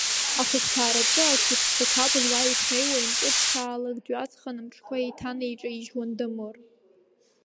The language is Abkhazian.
Ахәышҭаараҿы акәызҭхақәа былуа ишнеиуа ианҿыцәаалак, дҩаҵханы амҿқәа еиҭанеиҿаижьуан Дамыр.